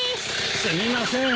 すみません。